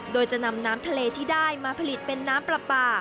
โดยจะนำน้ำทะเลที่ได้มาผลิตเป็นน้ำปลาปลา